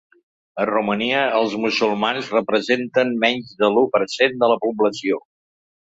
A Romania els musulmans representen menys de l’u per cent de la població.